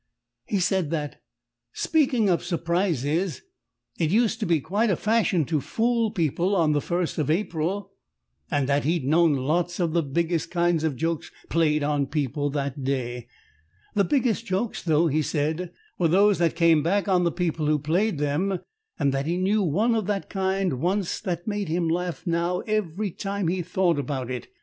He said that, speaking of surprises, it used to be quite a fashion to fool people on the first of April, and that he'd known lots of the biggest kind of jokes played on people that day. The biggest jokes, though, he said, were those that came back on the people who played them, and that he knew one of that kind once that made him laugh now every time he thought about it.